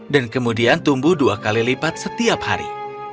dan kemudian tumbuh dua kali lipat setiap hari